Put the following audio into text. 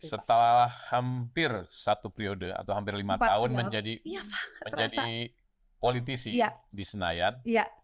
setelah hampir satu periode atau hampir lima tahun menjadi politisi di senayan